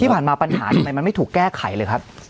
ที่ผ่านมาปัญหาทำไมมันไม่ถูกแก้ไขเลยครับ